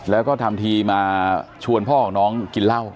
แล้วก็ทำทีมาชวนพ่อของน้องกินเหล้า